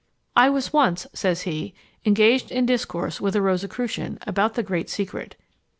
"I was once," says he, "engaged in discourse with a Rosicrucian about the great secret.